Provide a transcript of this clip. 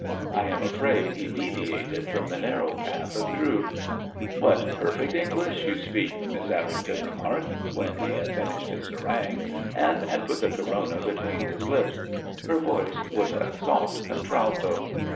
I am afraid he deviated from the narrow path of truth. "What perfect English you speak," Miss Errington remarked, when he had finished his harangue and had put the corona between his lips. Her voice was a soft contralto.